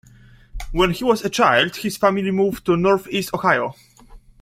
When he was a child his family moved to northeast Ohio.